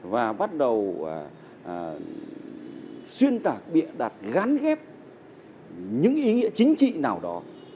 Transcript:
và bắt đầu xuyên tạc bịa đặt gắn ghép những ý nghĩa chính trị nào đó